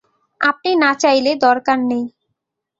আপনি না চাইলে দরকার নেই।